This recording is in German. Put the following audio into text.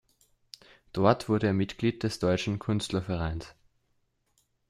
Dort wurde er Mitglied des Deutschen Künstlervereins.